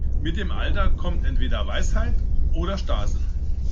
Mit dem Alter kommt entweder Weisheit oder Starrsinn.